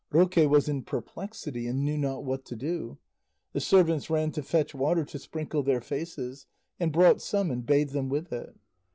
Roque was in perplexity and knew not what to do; the servants ran to fetch water to sprinkle their faces, and brought some and bathed them with it.